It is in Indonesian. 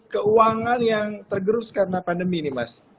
keuangan yang tergerus karena pandemi ini mas